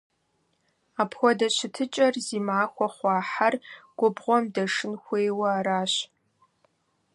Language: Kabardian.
Апхуэдэ щытыкӀэр зи махуэ хъуа хьэр губгъуэм дэшын хуейуэ аращ.